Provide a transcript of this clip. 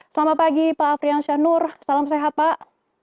selamat pagi pak afriyansyah nur salam sehat pak